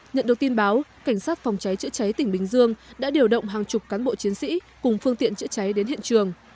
nhận được tin báo cảnh sát phòng cháy chữa cháy tỉnh bình dương đã điều động hàng chục cán bộ chiến sĩ cùng phương tiện chữa cháy đến hiện trường